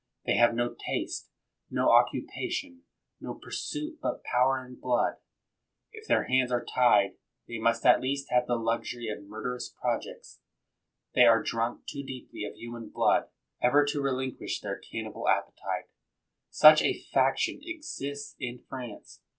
They have no taste, no occupation, no pursuit but power and blood. If their hands are tied, they must at least have the luxury of murderous projects. They have drunk too deeply of human blood ever to relinquish their cannibal appetite. Such a faction exists in France.